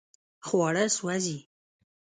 خواړه سوځي